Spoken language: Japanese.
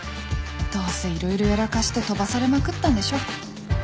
どうせいろいろやらかして飛ばされまくったんでしょ